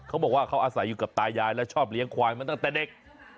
เขาบอกว่าเขาอาศัยอยู่กับตายายและชอบเลี้ยงควายมาตั้งแต่เด็ก